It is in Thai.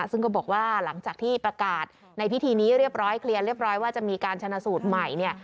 ซึ่งก็บอกว่าหลังจากที่ประกาศในพิธีนี้เรียบร้อยเคลียร์เรียบร้อยว่าจะมีการชนะสูตรใหม่เนี่ย